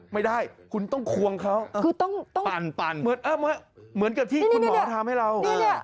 ไม่ได้คุณต้องควงเขาเหมือนกับที่คุณหมอทำให้เรา